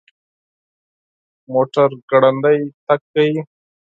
موټر ګړندی تګ کوي